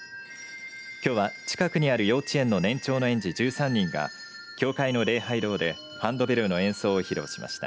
きょうは近くにある幼稚園の年長の園児１３人が教会の礼拝堂でハンドベルの演奏を披露しました。